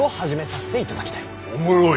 おもろい。